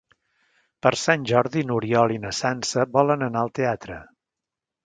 Per Sant Jordi n'Oriol i na Sança volen anar al teatre.